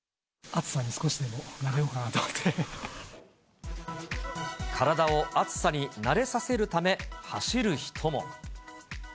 暑さに少しでも慣れようかな体を暑さに慣れさせるため、走る人も。